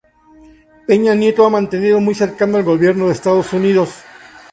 Peña Nieto ha mantenido muy cercano al gobierno de Estados Unidos.